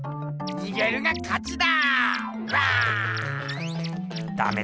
にげるがかちだ。